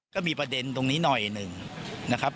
ก็มีประเด็นตรงนี้หน่อยหนึ่งนะครับ